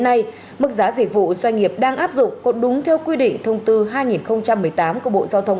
hôm nay mức giá dịch vụ doanh nghiệp đang áp dụng có đúng theo quy định thông tư hai nghìn một mươi tám của bộ giao thông